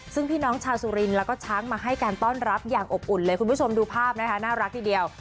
ซึ่งพี่น้องชาวสุรินทร์แล้วก็ช้างมาให้การต้อนรับอย่างอบอุ่นเลยคุณผู้ชมดูภาพนะคะน่ารักทีเดียว